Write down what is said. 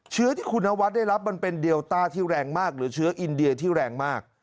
เชื้อที่คุณนวัดได้รับมันเป็นเดลต้าที่แรงมากหรือเชื้ออินเดียที่แรงมาก